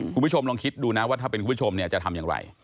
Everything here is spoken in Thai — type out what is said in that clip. คุณผู้ชมลองคิดดูนะว่าถ้าเป็นคุณผู้ชมเนี่ยจะทำอย่างไร